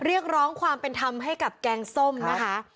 เรียกร้องความเป็นธรรมให้กับแกงส้มนะคะ